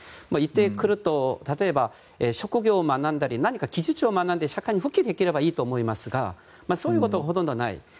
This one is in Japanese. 言ってみると例えば職業を学んだり何か技術を学んで社会に復帰でいればいいと思いますがそういうことはほとんどない。